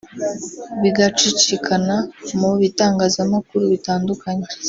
bigacicikana mu bitangazamakuru bitandukanye